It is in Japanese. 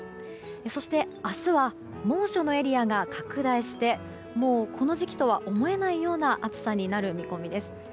そして、明日は猛暑のエリアが拡大してもうこの時期とは思えないような暑さになる見込みです。